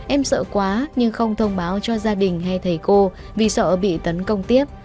em sợ quá nhưng không thông báo cho gia đình hay thầy cô vì sợ bị tấn công tiếp